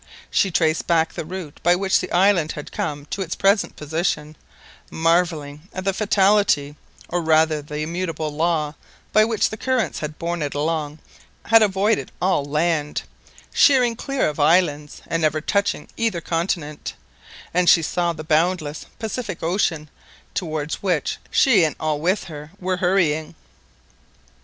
She traced back the route by which the island had come to its present position, marvelling at the fatality, or rather the immutable law, by which the currents which had borne it along had avoided all land, sheering clear of islands, and never touching either continent; and she saw the boundless Pacific Ocean, towards which she and all with her were hurrying.